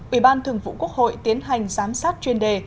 ủy ban thường vụ quốc hội tiến hành giám sát chuyên đề